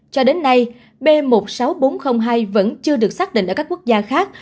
cho đến nay b một mươi sáu nghìn bốn trăm linh hai vẫn chưa được xác định ở các quốc gia khác